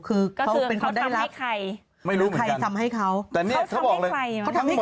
คือเขาเป็นคนได้รักไม่รู้เหมือนกันแต่นี่เขาบอกเลยคือเขาทำให้ใคร